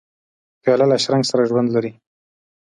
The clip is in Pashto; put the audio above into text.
پیاله له شرنګ سره ژوند لري.